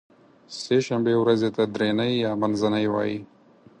سې شنبې ورځې ته درینۍ یا منځنۍ وایی